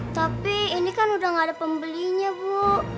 tapi ini kan udah gak ada pembelinya bu